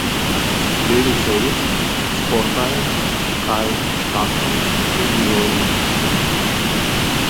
Li ricevis sportajn kaj ŝtatan premiojn.